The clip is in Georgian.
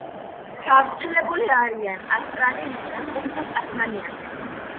გავრცელებული არიან ავსტრალიასა და კუნძულ ტასმანიაზე.